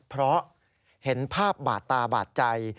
เพราะเห็นภาพบาดตาบาดใจ